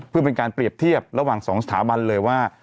เพื่อเป็นการเปรียบเทียบระหว่าง๒สถาบันเลยว่า